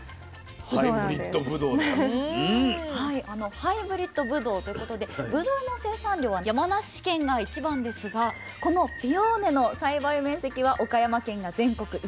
ハイブリッドぶどうということでぶどうの生産量は山梨県が一番ですがこのピオーネの栽培面積は岡山県が全国１位。